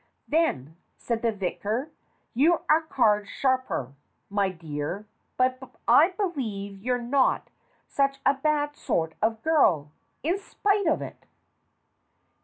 "Then," said the vicar, "you're a card sharper, my dear; but I believe you're not such a bad sort of girl, in spite of it."